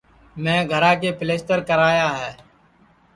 میں گھرا کے پِلیستر کرا یا ہے